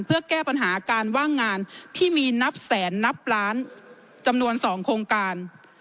เพื่อแก้ปัญหาการว่างงานที่มีนับแสนนับล้านจำนวน๒โครงการ